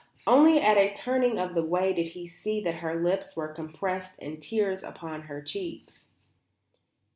Only at a turning of the way did he see that her lips were compressed and tears upon her cheeks.